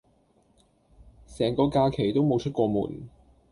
成個假期都無出過門